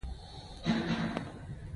زه د درسونو نوې طریقې زده کوم.